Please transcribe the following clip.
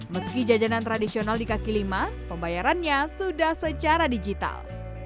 meski jajanan tradisional di kaki lima pembayarannya sudah secara digital